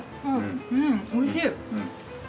うんおいしい。